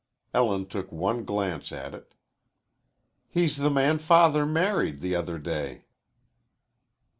Ellen took one glance at it. "He's the man Father married the other day."